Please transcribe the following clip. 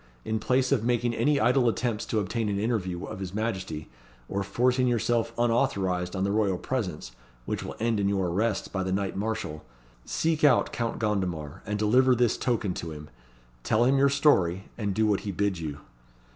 In place of making any idle attempts to obtain an interview of his Majesty, or forcing yourself unauthorised on the royal presence, which will end in your arrest by the Knight Marshall, seek out Count Gondomar, and deliver this token to him. Tell him your story; and do what he bids you."